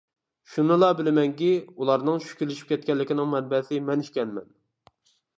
شۇنىلا بىلىمەنكى، ئۇلارنىڭ چۈشكۈنلىشىپ كەتكەنلىكىنىڭ مەنبەسى مەن ئىكەنمەن.